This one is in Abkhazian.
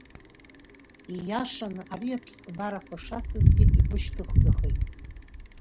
Ииашаны, ари аԥсҭбарақәа шацызгьы, игәышьҭыхгахеит.